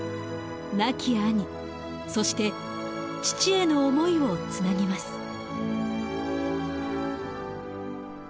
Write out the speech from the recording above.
亡き兄そして父への思いをつなぎます。